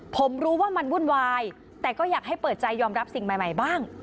ผมรู้ว่ามันวุ่นวายแต่ก็อยากให้เปิดใจยอมรับสิ่งใหม่บ้าง